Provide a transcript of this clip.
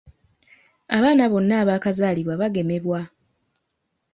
Abaana bonna abaakazaalibwa bagemebwa.